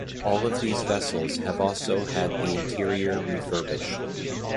All of these vessels have also had the interior refurbished.